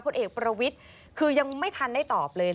ผลเอกประวิทย์คือยังไม่ทันได้ตอบเลย